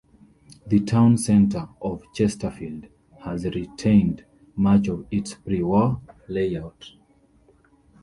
The Town centre of Chesterfield has retained much of its pre-war layout.